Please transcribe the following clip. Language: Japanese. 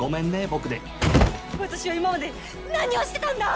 僕で私は今まで何をしてたんだ！